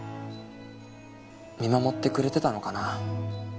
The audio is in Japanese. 見守ってくれてたのかな